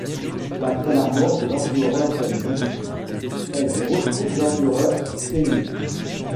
Après la mort de l'empereur Tenji, elle retrouve l'empereur Temmu.